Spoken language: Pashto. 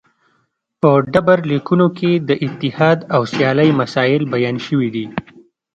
په ډبرلیکونو کې د اتحاد او سیالۍ مسایل بیان شوي دي